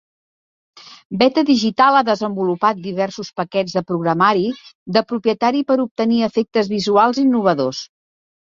Weta Digital ha desenvolupat diversos paquets de programari de propietari per obtenir efectes visuals innovadors.